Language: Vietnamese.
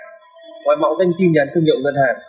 ngoài mạo danh tin nhắn thương nhận ngân hàng